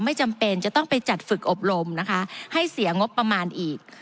จำเป็นจะต้องไปจัดฝึกอบรมนะคะให้เสียงบประมาณอีก